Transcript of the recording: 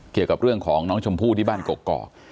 เกี่ยวกับเรื่องของน้องชมพู่ที่บ้านกกอก